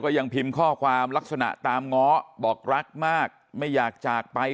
ยังพิมพ์ข้อความลักษณะตามง้อบอกรักมากไม่อยากจากไป